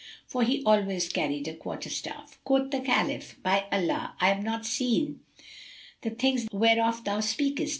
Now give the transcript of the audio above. (For he always carried a quarterstaff.) Quoth the Caliph, "By Allah, I have not seen the things whereof thou speakest!"